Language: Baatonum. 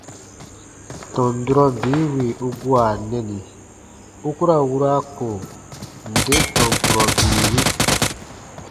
Tɔn durɔ bii wì u gua nɛni u ku ra wura ko nde tɔn kurɔ bii wi.